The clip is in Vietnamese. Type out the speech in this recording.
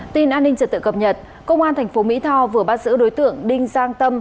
tin an ninh trật tự cập nhật công an thành phố mỹ tho vừa bắt giữ đối tượng đinh giang tâm